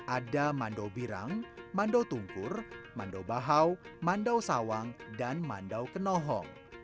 ada mandau birang mandau tungkur mandau bahau mandau sawang dan mandau kenohong